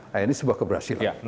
nah ini sebuah keberhasilan